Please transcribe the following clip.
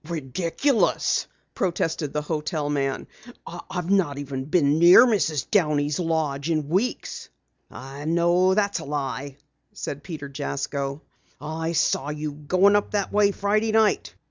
"Ridiculous!" protested the hotel man. "I've not even been near Mrs. Downey's lodge in weeks." "I know that's a lie," said Peter Jasko. "I saw you goin' up that way Friday night."